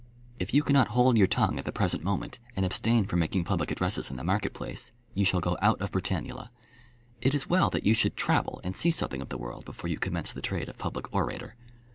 If you cannot hold your tongue at the present moment, and abstain from making public addresses in the market place, you shall go out of Britannula. It is well that you should travel and see something of the world before you commence the trade of public orator.